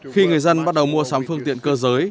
khi người dân bắt đầu mua sắm phương tiện cơ giới